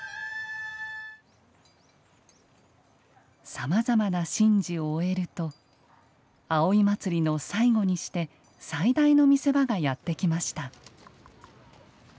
さまざまな神事を終えると葵祭の最後にして最大の見せ場がやってきました。